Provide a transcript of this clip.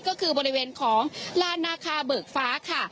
ก็คือบริเวณของลานนาคาเบิกฟ้าค่ะ